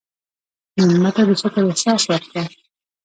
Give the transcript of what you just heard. مېلمه ته د شکر احساس ورکړه.